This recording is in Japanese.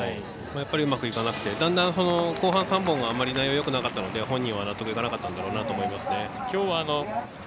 やっぱりうまくいかなくてだんだん後半３本があんまり内容よくなかったので本人はあんまり納得いかなかったのかと思います。